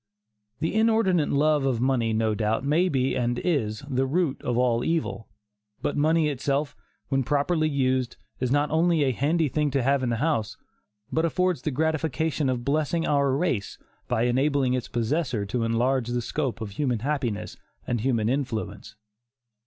The inordinate love of money, no doubt, may be and is "the root of all evil," but money itself, when properly used, is not only a "handy thing to have in the house," but affords the gratification of blessing our race by enabling its possessor to enlarge the scope of human happiness and human influence.